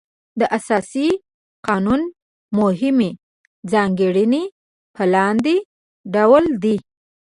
د اساسي قانون مهمې ځانګړنې په لاندې ډول دي.